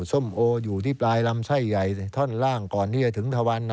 ส้มโออยู่ที่ปลายลำไส้ใหญ่ท่อนล่างก่อนที่จะถึงทะวัน